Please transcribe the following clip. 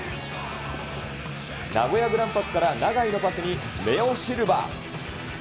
名古屋グランパスから永井のパスにレオ・シルバ。